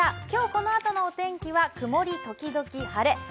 今日このあとのお天気は曇り時々晴れ。